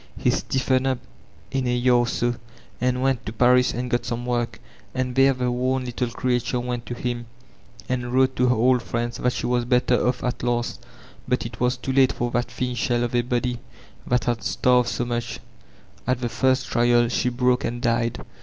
He stiffened ftp m a year or so, and went to PStris and got some work; and there the worn little creature went to him, and wrote to her old friends that she was better off at last Bat it was too late for that thin shell of a body that had starred so much ; at the first trial she broke and died.